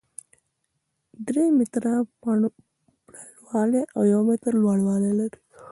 درې متره پلنوالی او يو متر لوړوالی لري،